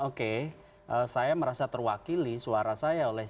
oke saya merasa terwakili suara saya oleh